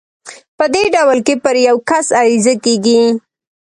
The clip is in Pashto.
په دې ډول کې پر يو کس عريضه کېږي.